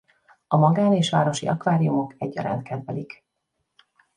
A magán- és városi akváriumok egyaránt kedvelik.